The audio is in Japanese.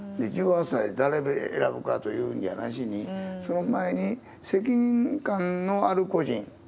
１８歳、誰が選ぶというんじゃなしに、その前に、責任感のある個人。